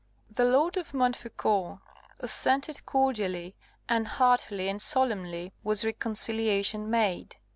The Lord of Montfaucon assented cordially, and heartily and solemnly was reconciliation made.